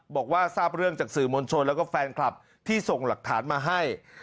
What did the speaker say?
บอกว่าทราบเรื่องจากสื่อมวลชนแล้วก็แฟนคลับที่ส่งหลักฐานมาให้